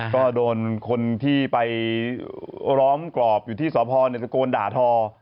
ก็โดนคนที่ไปล้อมกรอบอยู่ที่สพตะโกนด่าทอ